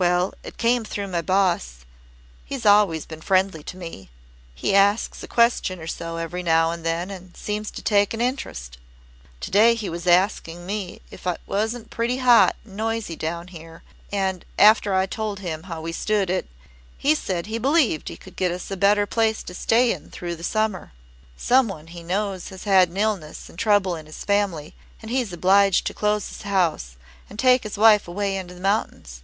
"Well, it came through my boss. He's always been friendly to me. He asks a question or so every now and then and seems to take an interest. To day he was asking me if it wasn't pretty hot and noisy down here, and after I told him how we stood it, he said he believed he could get us a better place to stay in through the summer. Some one he knows has had illness and trouble in his family and he's obliged to close his house and take his wife away into the mountains.